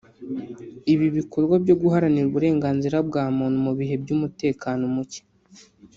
Ibi bikorwa byo guharanira uburenganzira bwa muntu mu bihe by’umutekano muke